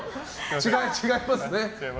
違いますね。